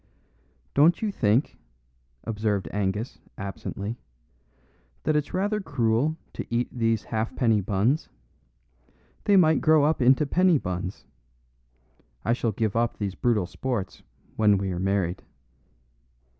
"Don't you think," observed Angus, absently, "that it's rather cruel to eat these halfpenny buns? They might grow up into penny buns. I shall give up these brutal sports when we are married."